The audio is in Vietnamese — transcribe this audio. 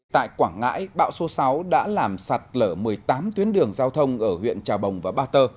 tại quảng ngãi bão số sáu đã làm sạt lở một mươi tám tuyến đường giao thông ở huyện trà bồng và ba tơ